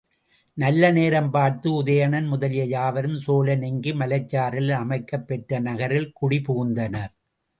நல்ல நேரம் பார்த்து உதயணன் முதலிய யாவரும் சோலை நீங்கி மலைச்சாரலில் அமைக்கப் பெற்ற நகரில் குடிபுகுந்தனர்.